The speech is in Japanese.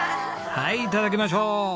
はいいただきましょう！